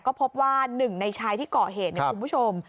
ก็พบว่าหนึ่งในชายที่เกาะเหตุเนี่ยคุณผู้ชม